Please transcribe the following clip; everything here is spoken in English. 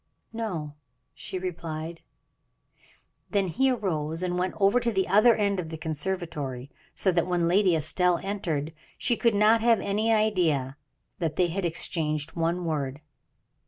"No," she replied. Then he arose and went over to the other end of the conservatory, so that when Lady Estelle entered, she could not have any idea that they had exchanged one word.